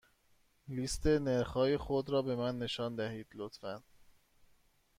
لیست نرخ های خود را به من نشان دهید، لطفا.